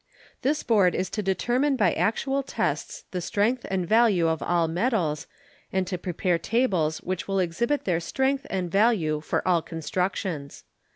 This board is to determine by actual tests the strength and value of all metals, and to prepare tables which will exhibit their strength and value for all constructions.